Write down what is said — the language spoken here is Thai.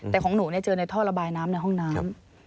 แต่ของหนูเจอในท่อระบายน้ำในห้องน้ำ